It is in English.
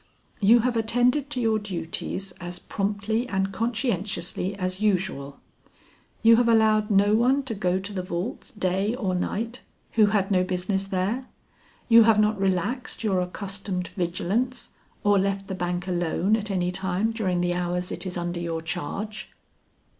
"You have attended to your duties as promptly and conscientiously as usual; you have allowed no one to go to the vaults day or night, who had no business there? You have not relaxed your accustomed vigilance, or left the bank alone at any time during the hours it is under your charge?"